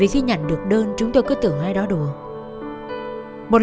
chỉ là tôi đừng có nói gì để đe dọa